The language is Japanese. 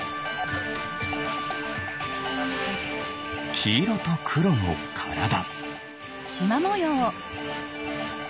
きいろとくろのからだ。